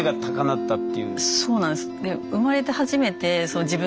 そうなんです。